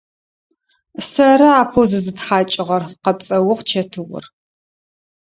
Сэры апэу зызытхьакӏыгъэр! – къэпцӏэугъ Чэтыур.